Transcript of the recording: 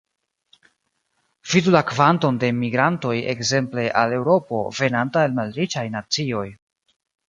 Vidu la kvanton de enmigrantoj, ekzemple, al Eŭropo, venanta el malriĉaj nacioj.